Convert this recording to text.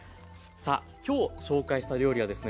さあ今日紹介した料理はですね